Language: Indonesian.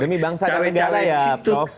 demi bangsa dan negara ya prof